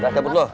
udah cabut lu